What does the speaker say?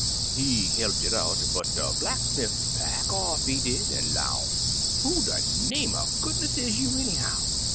He belt it out, but de blacksmiff back off, he did, an' 'low, * Who de name er good ness is you, anyhow?'